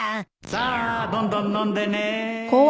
さあどんどん飲んでねえ